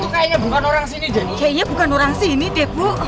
kayaknya bukan orang sini deh bu